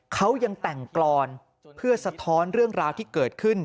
เขายังแต่งกรอนเพื่อสะท้อนเรื่องราวที่เกิดขึ้น